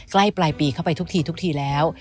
ใกล้ปลายปีเข้าไปทุกทีทุกทีแล้ว